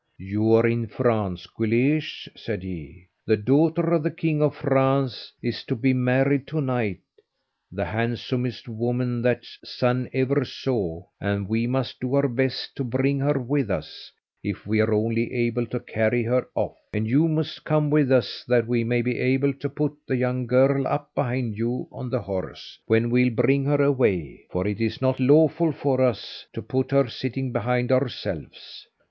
"You're in France, Guleesh," said he. "The daughter of the king of France is to be married to night, the handsomest woman that the sun ever saw, and we must do our best to bring her with us; if we're only able to carry her off; and you must come with us that we may be able to put the young girl up behind you on the horse, when we'll be bringing her away, for it's not lawful for us to put her sitting behind ourselves.